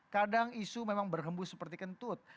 kadang isu memang berhembus seperti kentut